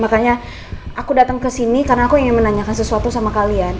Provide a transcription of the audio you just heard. makanya aku datang ke sini karena aku ingin menanyakan sesuatu sama kalian